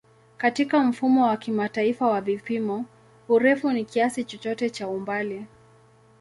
Katika Mfumo wa Kimataifa wa Vipimo, urefu ni kiasi chochote cha umbali.